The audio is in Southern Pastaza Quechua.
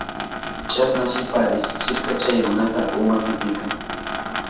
Chasnashi parisichirka chay runata uma pitika.